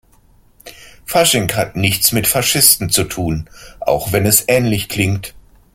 Fasching hat nichts mit Faschisten zu tun, auch wenn es ähnlich klingt.